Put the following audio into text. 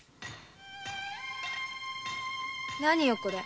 何よこれ。